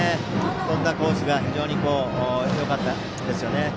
飛んだコースがよかったですよね。